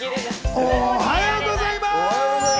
おはようございます！